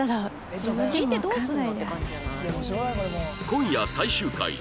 今夜最終回